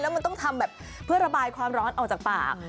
มันต้องทำแบบเพื่อระบายความร้อนออกจากปาก